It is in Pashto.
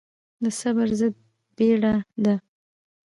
د صبر ضد بيړه ده.